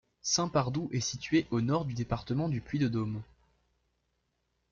Saint-Pardoux est située au nord du département du Puy-de-Dôme.